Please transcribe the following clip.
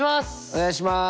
お願いします！